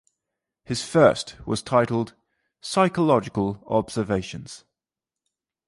His first was titled "Psychological Observations".